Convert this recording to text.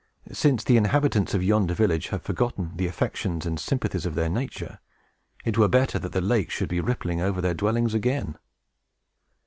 "Since the inhabitants of yonder village have forgotten the affections and sympathies of their nature, it were better that the lake should be rippling over their dwellings again!"